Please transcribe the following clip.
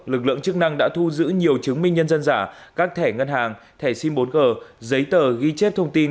lực lượng chức năng đã thu giữ nhiều chứng minh nhân dân giả các thẻ ngân hàng thẻ sim bốn g giấy tờ ghi chép thông tin